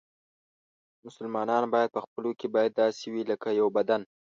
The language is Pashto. مسلمانان باید په خپلو کې باید داسې وي لکه یو بدن.